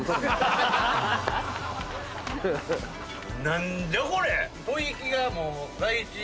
何じゃこれ？